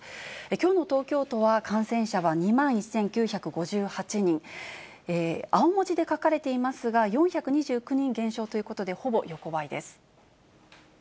きょうの東京都は、感染者は２万１９５８人、青文字で書かれていますが、４２９人減少ということで、ほぼ横ばいです。